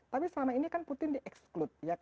tapi selama ini kan putin di exclude